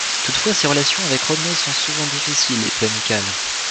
Toutefois, ses relations avec Rodney seront souvent difficiles et peu amicales.